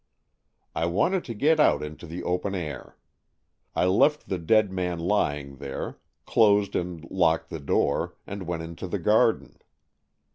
" I wanted to get out into the open air. I left the dead man lying there, closed and locked the door, and went into the garden.